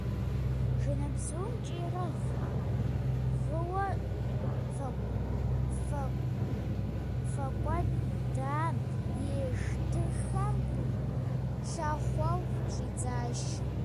Жэнэтбзум, кӏийрэ гъыуэ, фӏэкӏуэда и шырхэм лъыхъуэу щӏидзащ.